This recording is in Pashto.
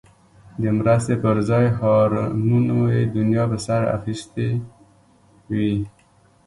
د مرستې پر ځای هارنونو یې دنیا په سر اخیستی وي.